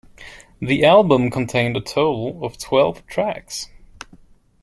The album contained a total of twelve tracks.